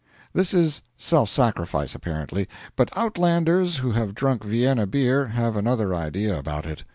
This is self sacrifice apparently but outlanders who have drunk Vienna beer have another idea about it.